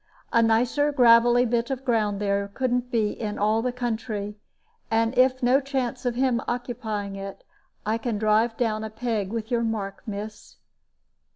A nicer gravelly bit of ground there couldn't be in all the county; and if no chance of him occupying it, I can drive down a peg with your mark, miss."